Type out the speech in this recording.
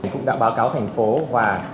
cũng đã báo cáo thành phố và